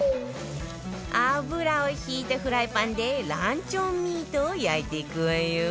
油を引いたフライパンでランチョンミートを焼いていくわよ